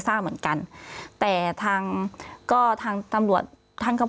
พี่เรื่องมันยังไงอะไรยังไง